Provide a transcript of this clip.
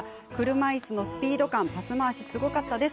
車いすのスピード感パスまわし、すごかったです。